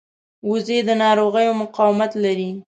وزې د ناروغیو مقاومت لري